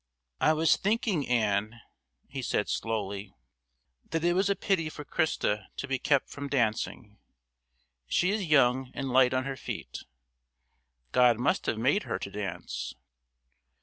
"I was thinking, Ann," he said slowly, "that it was a pity for Christa to be kept from dancing. She is young and light on her feet. God must have made her to dance."